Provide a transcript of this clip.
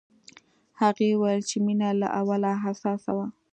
هغې وویل چې مينه له اوله حساسه وه